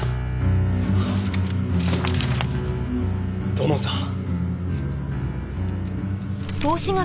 土門さん。